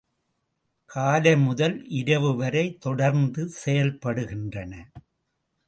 காலை முதல் இரவு வரை தொடர்ந்து செயல்படுகின்றன.